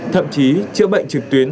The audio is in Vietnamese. thậm chí chữa bệnh trực tuyến